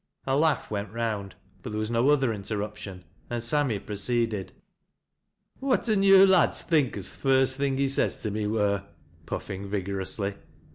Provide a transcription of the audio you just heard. A laugh went round, but there was no other interruption and Sammy proceeded. " Whatten yo' lads think as th' first thing he says to me wur ?" puffing vigorously.